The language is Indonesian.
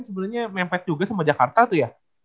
sebenernya mempet juga sama jakarta tuh ya